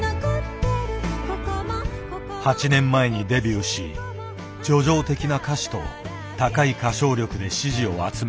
８年前にデビューし叙情的な歌詞と高い歌唱力で支持を集めてきた。